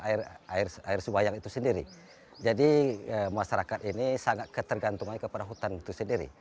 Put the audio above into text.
air air subayang itu sendiri jadi masyarakat ini sangat ketergantungan kepada hutan itu sendiri